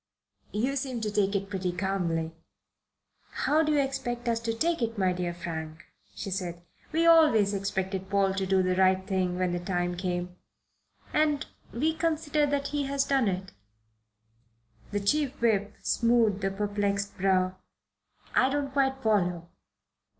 "You seem to take it pretty calmly." "How do you expect us to take it, my dear Frank?" she asked. "We always expected Paul to do the right thing when the time came, and we consider that he has done it." The Chief Whip smoothed a perplexed brow. "I don't quite follow.